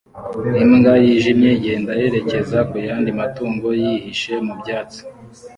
Imbwa yijimye igenda yerekeza ku yandi matungo yihishe mu byatsi